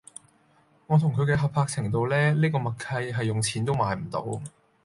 我同佢嘅合拍程度呢呢個默契係用錢都買唔到